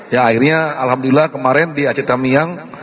ya akhirnya alhamdulillah kemarin di aceh tamiang